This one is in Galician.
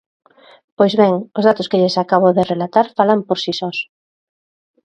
Pois ben, os datos que lles acabo de relatar falan por si sós.